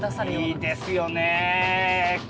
いいですよね。